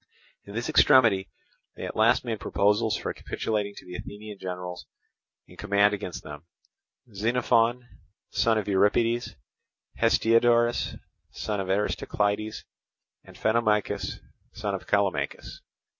In this extremity they at last made proposals for capitulating to the Athenian generals in command against them—Xenophon, son of Euripides, Hestiodorus, son of Aristocleides, and Phanomachus, son of Callimachus.